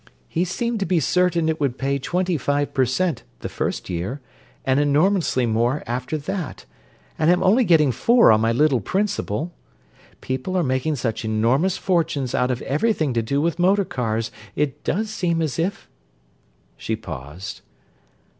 "He seemed to be certain it would pay twenty five per cent. the first year, and enormously more after that; and I'm only getting four on my little principal. People are making such enormous fortunes out of everything to do with motor cars, it does seem as if—" She paused.